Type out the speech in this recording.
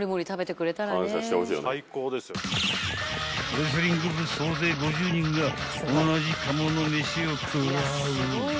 ［レスリング部総勢５０人が同じ釜の飯を食らう］